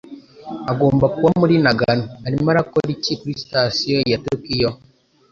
Agomba kuba muri Nagano. Arimo akora iki kuri sitasiyo ya Tokiyo?